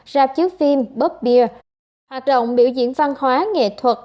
rạp chứa phim bóp bia hoạt động biểu diễn văn hóa nghệ thuật